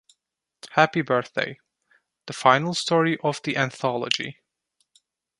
Happy Birthday - The final story of the anthology.